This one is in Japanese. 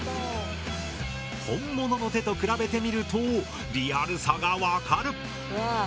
本物の手と比べてみるとリアルさが分かる。